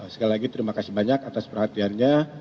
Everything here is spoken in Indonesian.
sekali lagi terima kasih banyak atas perhatiannya